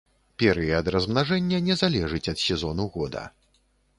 Перыяд размнажэння не залежыць ад сезону года.